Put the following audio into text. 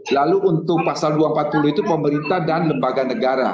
lalu untuk pasal dua ratus empat puluh itu pemerintah dan lembaga negara